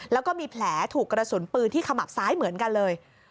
แล้วก็มีแผลถูกกระสุนปืนที่ขมับซ้ายเหมือนกันเลย